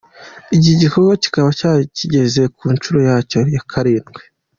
Iki gikorwa kikaba cyari kigeze ku nshuro yacyo ya karindwi.